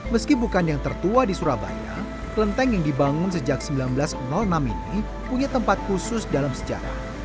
meski bukan yang tertua di surabaya kelenteng yang dibangun sejak seribu sembilan ratus enam ini punya tempat khusus dalam sejarah